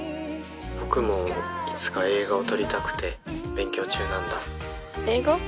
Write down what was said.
☎僕もいつか映画を撮りたくて勉強中なんだ☎映画？